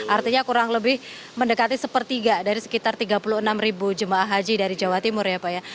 artinya kurang lebih mendekati sepertiga dari sekitar tiga puluh enam jemaah haji dari jawa timur ya pak ya